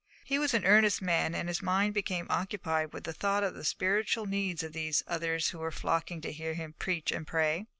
He was an earnest man, and his mind became occupied with the thought of the spiritual needs of these others who were flocking to hear him preach and pray.